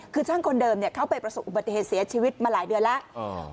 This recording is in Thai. คือช่างคนเดิมเข้าไปประสบอุบัติเหตุเสียชีวิตมาหลายเดือนแล้ว